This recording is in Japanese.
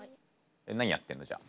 何やってんの？じゃあ。